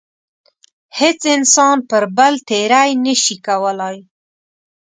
هیڅ انسان پر بل تېرۍ نشي کولای.